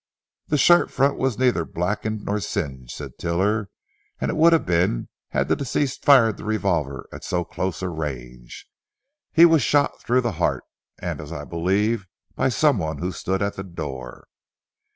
"The shirt front was neither blackened nor singed," said Tiler, "and it would have been had the deceased fired the revolver at so close a range. He was shot through the heart, and as I believe, by someone who stood at the door.